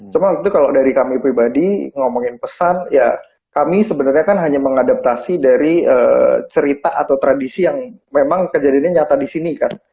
cuma waktu itu kalau dari kami pribadi ngomongin pesan ya kami sebenarnya kan hanya mengadaptasi dari cerita atau tradisi yang memang kejadiannya nyata di sini kan